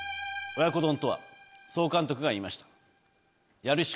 親子丼とは総監督が言いました。